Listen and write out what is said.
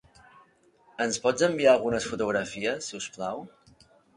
Ens pot enviar algunes fotografies, si us plau?